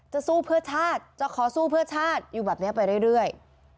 สู้เพื่อชาติจะขอสู้เพื่อชาติอยู่แบบนี้ไปเรื่อย